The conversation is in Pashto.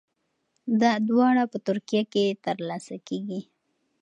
دا دواړه په ترکیه کې ترلاسه کیږي.